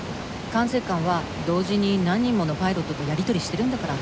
管制官は同時に何人ものパイロットとやり取りしてるんだから。